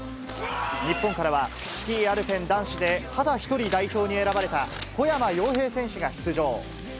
日本からは、スキーアルペン男子でただ１人代表に選ばれた小山陽平選手が出場。